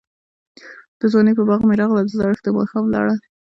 دځوانۍپه باغ می راغله، دزړښت دماښام لړه